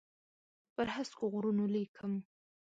پر هسکو غرونو لیکم